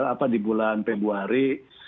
apa di bulan februari